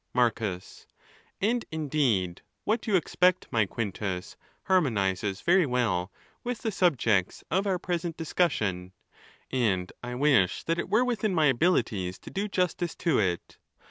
Marcus.—And indeed what you expect, my Quintus, har monizes very well with the subjects of our present discussion. And I wish that it were within my abilities to do justice to it.